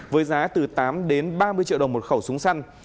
với giá từ tám đến ba mươi triệu đồng một khẩu súng săn